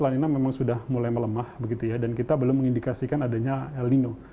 lanina memang sudah mulai melemah dan kita belum mengindikasikan adanya elino